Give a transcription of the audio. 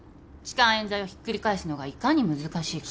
痴漢冤罪をひっくり返すのがいかに難しいか。